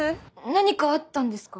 何かあったんですか？